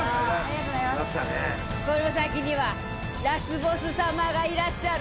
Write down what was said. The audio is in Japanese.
この先にはラスボス様がいらっしゃる。